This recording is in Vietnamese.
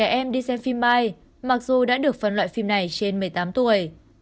bảy em đi xem phim mai mặc dù đã được phân loại phim này trên một mươi tám tuổi